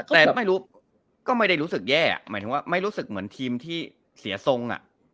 แต่ไม่รู้ก็ไม่ได้รู้สึกแย่หมายถึงว่าไม่รู้สึกเหมือนทีมที่เสียทรง